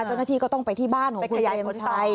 เจ้าหน้าที่ก็ต้องไปที่บ้านของคุณเปลมชัย